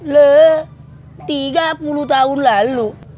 leh tiga puluh tahun lalu